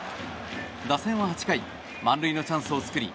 打線は８回、満塁のチャンスを作り